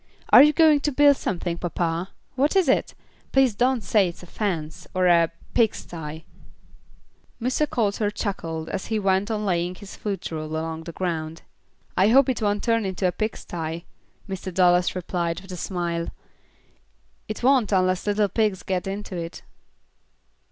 "Are you going to build something, papa? What is it? Please don't say it's a fence, or a a pig sty." Mr. Coulter chuckled as he went on laying his foot rule along the ground. "I hope it won't turn into a pig sty," Mr. Dallas replied, with a smile. "It won't unless little pigs get into it."